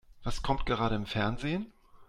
Was kommt gerade im Fernsehen?